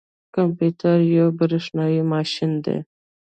کمپيوټر یو بریښنايي ماشین دی